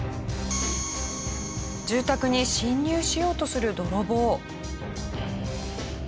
住宅に侵入しようとする泥棒。